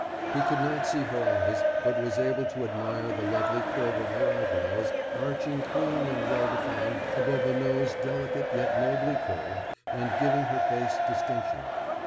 He could not see her eyes, but was able to admire the lovely curve of her eyebrows arching clean and well defined above a nose delicate yet nobly curved and giving her face distinction.